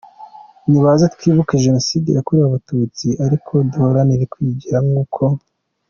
Nibaze twibuke Jenoside yakorewe Abatutsi ariko duharanire kwigira nkuko.